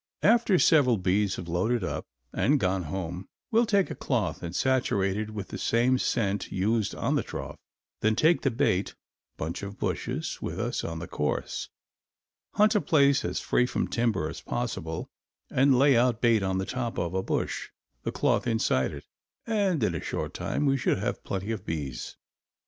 After several bees have loaded up and gone home, we will take a cloth and saturate it with the same scent used on the trough, then take the bait bunch of bushes with us on the course, hunt a place as free from timber as possible and lay out bait on the top of a bush, the cloth beside it, and in a short time we should have plenty of bees.